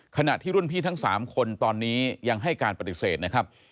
ขณะที่รุ่นพี่ทั้ง๓คนตอนนี้ยังให้การปฏิเสธนะครับ